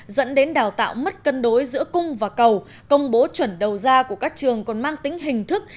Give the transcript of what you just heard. dẫn đến đào tạo mất cân đối giữa cung và cầu công bố chuẩn đầu ra của các trường còn mang tính hình thức